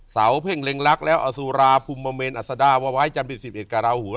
เสาเพ่งเล็งรักแล้วอสุราพุมเมนอาสดาวะไว้จันทร์ประสิทธิ์๑๑การาวูฮุ